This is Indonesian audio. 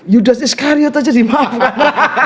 judas iscariot aja dimaafkan